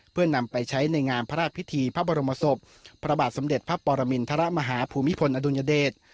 เพื่อนำไปใช้ในงานพระราชพิธีพระบรมศพพระบาทสมเด็จพระปรมินทรมาฮาภูมิพลอดุลยเดช